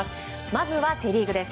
まずは、セ・リーグです。